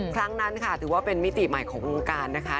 ครั้งนั้นค่ะถือว่าเป็นมิติใหม่ของวงการนะคะ